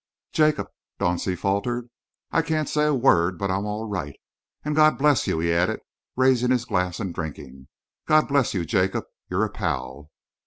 "Jacob," Dauncey faltered, "I can't say a word, but I'm all right. And God bless you," he added, raising his glass and drinking. "God bless you, Jacob! You're a pal."